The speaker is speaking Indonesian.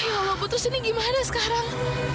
ya allah putus ini gimana sekarang